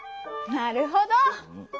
なるほど！